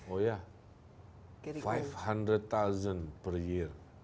oh ya lima ratus per tahun